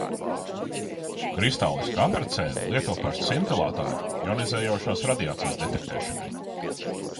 Kristālisku antracēnu lieto par scintilatoru jonizējošās radiācijas detektēšanai.